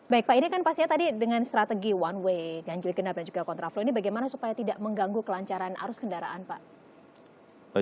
baik pak ini kan pastinya tadi dengan strategi one way ganjil genap dan juga kontraflow ini bagaimana supaya tidak mengganggu kelancaran arus kendaraan pak